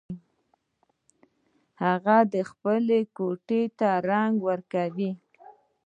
هغه خپلې کوټۍ ته رنګ ورکوي